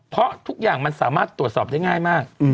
เพราะทุกอย่างมันสามารถตรวจสอบได้ง่ายมาก